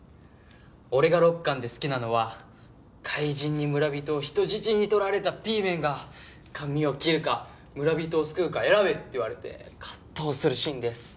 俺が６巻で好きなのは怪人に村人を人質に取られたピーメンが髪を切るか村人を救うか選べって言われて葛藤するシーンです。